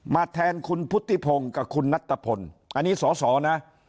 แทนคุณพุทธิพงศ์กับคุณนัตตะพลอันนี้สอสอนะ